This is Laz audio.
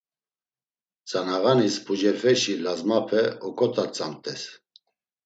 Tzanağanis pucepeşi lazmape oǩot̆atzamt̆es.